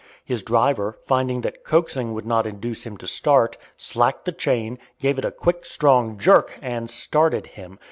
His driver, finding that coaxing would not induce him to start, slacked the chain, gave it a quick, strong jerk, and started him.